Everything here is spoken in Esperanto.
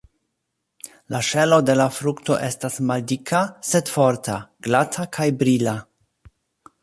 La ŝelo de la frukto estas maldika, sed forta, glata kaj brila.